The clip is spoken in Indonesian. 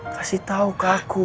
kasih tau ke aku